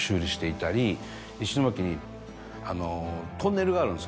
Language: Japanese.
石巻にトンネルがあるんです